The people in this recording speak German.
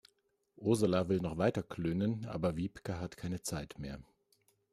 Ursula will noch weiter klönen, aber Wiebke hat keine Zeit mehr.